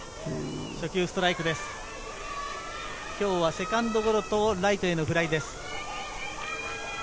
今日はセカンドゴロとライトへのフライです。